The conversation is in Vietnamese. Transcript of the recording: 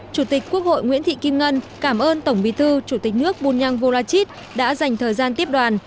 chủ tịch quốc hội nguyễn thị kim ngân cảm ơn tổng bí thư chủ tịch nước bunyang vorachit đã dành thời gian tiếp đoàn